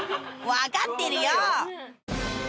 分かってるよ！